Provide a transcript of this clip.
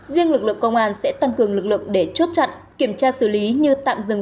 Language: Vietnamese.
riêng lực lượng công an sẽ tăng cường lực lượng để chốt chặn kiểm tra xử lý như tạm dừng